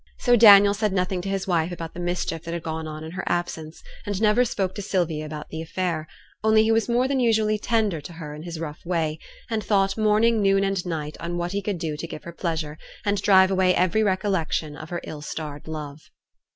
So Daniel said nothing to his wife about the mischief that had gone on in her absence, and never spoke to Sylvia about the affair; only he was more than usually tender to her in his rough way, and thought, morning, noon, and night, on what he could do to give her pleasure, and drive away all recollection of her ill starred love.